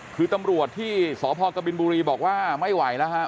คือตำรวจที่สพกบินบุรีบอกว่าไม่ไหวแล้วฮะ